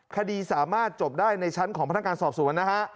คดีสามารถจบได้ในชั้นของพนักงานสอบสวนนะฮะ